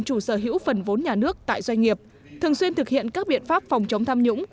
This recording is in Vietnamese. chủ sở hữu phần vốn nhà nước tại doanh nghiệp thường xuyên thực hiện các biện pháp phòng chống tham nhũng